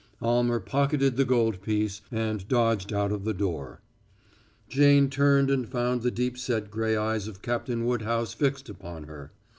Almer pocketed the gold piece and dodged out of the door. Jane turned and found the deep set gray eyes of Captain Woodhouse fixed upon her.